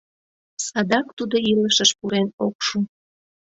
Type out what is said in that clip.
Садак тудо илышыш пурен ок шу.